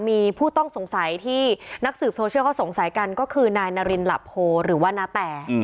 มีผู้ต้องสงสัยที่นักสืบโซเชียลเขาสงสัยกันก็คือนายนารินหลับโพหรือว่านาแต